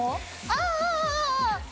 ああ。